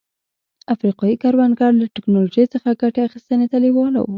افریقايي کروندګر له ټکنالوژۍ څخه ګټې اخیستنې ته لېواله وو.